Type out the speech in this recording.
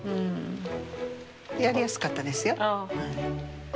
やりやすかったですよ。